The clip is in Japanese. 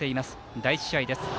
第１試合です。